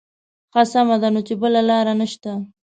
ښه سمه ده نو چې بله لاره نه شته.